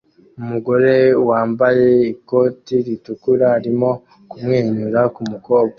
Umugabo wambaye ikoti ritukura arimo kumwenyura ku mukobwa